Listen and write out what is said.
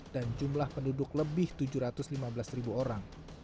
dan jumlah penduduk lebih tujuh ratus lima belas ribu orang